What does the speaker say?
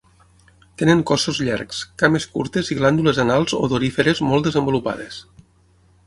Tenen cossos llargs, cames curtes i glàndules anals odoríferes molt desenvolupades.